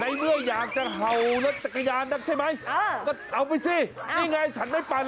เมื่ออยากจะเห่ารถจักรยานนักใช่ไหมก็เอาไปสินี่ไงฉันไม่ปั่น